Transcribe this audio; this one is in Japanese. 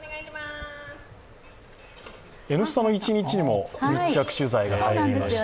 「Ｎスタ」の一日にも密着取材が入りまして。